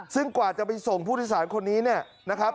ซึ่งกว่าจะไปส่งผู้ทศาลคนนี้นะครับ